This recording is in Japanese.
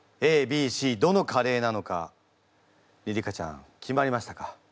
どのカレーなのかりり花ちゃん決まりましたか？